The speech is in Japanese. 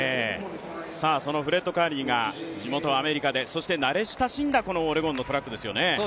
そのフレッド・カーリーが地元・アメリカで、しかも、この慣れ親しんだこのオレゴンのトラックですよね。